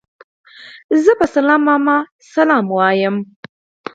زه په سلام ماما سلام اچوم